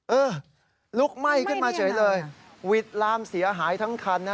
เออลุกไหม้ขึ้นมาเฉยเลยวิทย์ลามเสียหายทั้งคันนะ